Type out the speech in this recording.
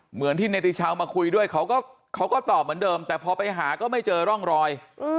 เหมือนที่เนติชาวมาคุยด้วยเขาก็ตอบเหมือนเดิมแต่พอไปหาก็ไม่เจอร่องรอย